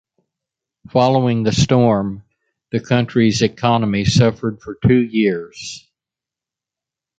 Following the storm, the country's economy suffered for two years.